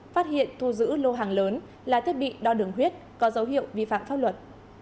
phát hiện thu giữ lô hàng lớn là thiết bị đo đường huyết có dấu hiệu vi phạm pháp luật